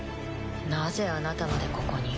なぜあなたまでここに？